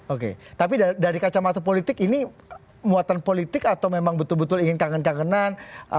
oke tapi dari kacamata politik ini muatan politik atau memang betul betul ingin kangen kangenan